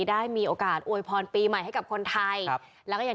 ได้มีโอกาสอวยพรปีใหม่ให้กับคนไทยครับแล้วก็ยัง